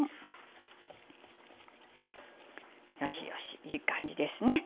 よしよしいい感じですね。